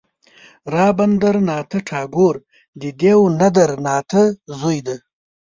رابندر ناته ټاګور د دیو ندر ناته زوی دی.